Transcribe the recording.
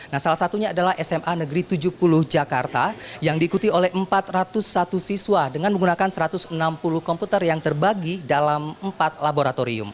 nah salah satunya adalah sma negeri tujuh puluh jakarta yang diikuti oleh empat ratus satu siswa dengan menggunakan satu ratus enam puluh komputer yang terbagi dalam empat laboratorium